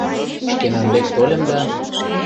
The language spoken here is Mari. Шкенан дек тольым да